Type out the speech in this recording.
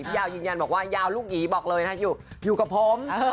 ยาวยืนยันบอกว่ายาวลูกหยีบอกเลยนะอยู่กับผม